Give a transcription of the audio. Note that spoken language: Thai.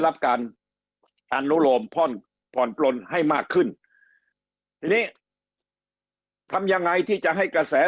รับการอนุโลมผ่อนผ่อนปลนให้มากขึ้นทีนี้ทำยังไงที่จะให้กระแส